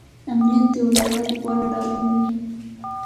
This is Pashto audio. امنیت د دې ولایت غوره ډالۍ وي.